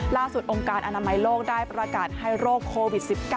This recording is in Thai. ล่าสุดองค์การอนามัยโลกได้ประกาศให้โรคโควิด๑๙